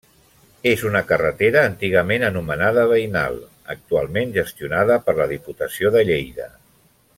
És una carretera antigament anomenada veïnal, actualment gestionada per la Diputació de Lleida.